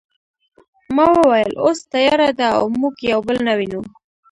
ما وویل اوس تیاره ده او موږ یو بل نه وینو